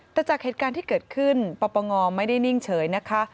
แต่จากเหตุการณ์ที่เกิดขึ้นปปงไม่ได้นิ่งเฉยนะคะ